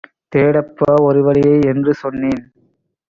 தேடப்பா ஒருவழியை என்றுசொன்னேன்.